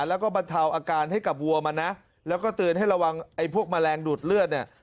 แล้วก็บรรเทาอาการให้กับวัวมันนะแล้วก็เตือนให้ระวังไอ้พวกแมลงดูดเลือดเนี่ย